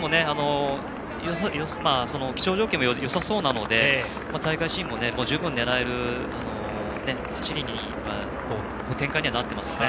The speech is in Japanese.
気象条件もよさそうなので大会新も十分狙える展開になっていますよね。